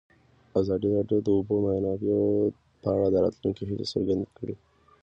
ازادي راډیو د د اوبو منابع په اړه د راتلونکي هیلې څرګندې کړې.